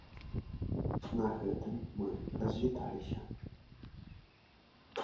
На гэтым мы развіталіся.